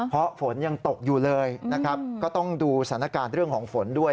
เพราะฝนยังตกอยู่เลยนะครับก็ต้องดูสถานการณ์เรื่องของฝนด้วย